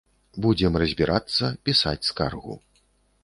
Будзем разбірацца, пісаць скаргу.